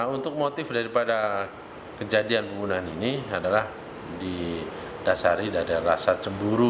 untuk motif daripada kejadian pembunuhan ini adalah didasari dari rasa cemburu